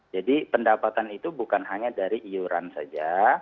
jadi pendapatan itu bukan hanya dari iuran saja